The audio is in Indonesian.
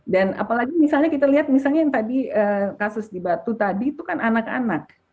dan apalagi misalnya kita lihat misalnya yang tadi kasus di batu tadi itu kan anak anak